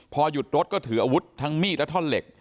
พอหยุดรถก็ถืออาวุธทั้งมีดและท่อนเหล็ก